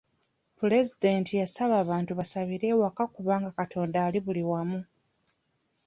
Pulezidenti yasaba abantu basabire ewaka kubanga Katonda ali buli wamu.